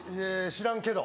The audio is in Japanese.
「知らんけど」。